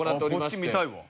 こっち見たいわ。